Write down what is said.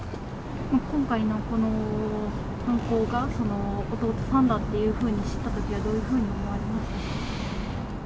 今回のこの犯行が、弟さんだって知ったときは、どういうふうに思われました？